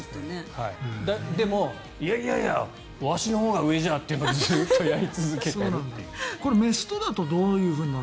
でも、いやいやいやわしのほうが上じゃってずっとやり続けている。